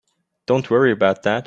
Don't worry about that.